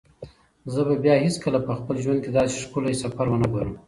زه به بیا هیڅکله په خپل ژوند کې داسې ښکلی سفر ونه ګورم.